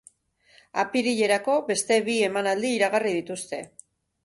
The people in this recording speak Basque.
Apirilerako beste bi emanaldi iragarri dituzte.